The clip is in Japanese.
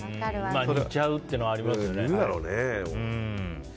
似ちゃうというのはありますよね。